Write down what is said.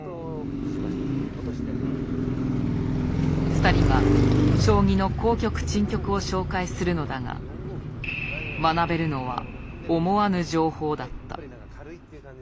２人が将棋の好局珍局を紹介するのだが学べるのは思わぬ情報だった。